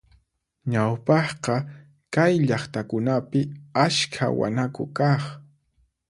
Ñawpaqqa kay llaqtakunapi askha wanaku kaq.